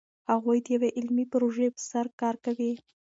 هغوی د یوې علمي پروژې په سر کار کوي.